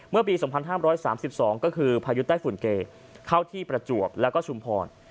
ในปี๒๕๓๒ก็คือภายุใต้ฝุ่นเกย์เข้าที่ประจวกและชุมพร